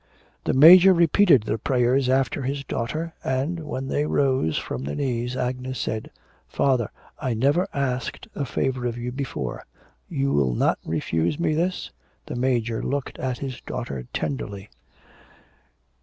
The Major repeated the prayers after his daughter, and, when they rose from their knees, Agnes said: 'Father, I never asked a favour of you before. You'll not refuse me this?' The Major looked at his daughter tenderly.